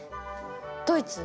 ドイツ？